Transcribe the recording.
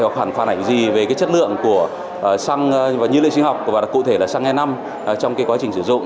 hoặc hẳn phản ảnh gì về cái chất lượng của xăng nhiên liệu sinh học và cụ thể là xăng e năm trong cái quá trình sử dụng